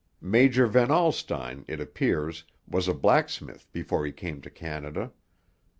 Major Van Alstine, it appears, was a blacksmith before he came to Canada.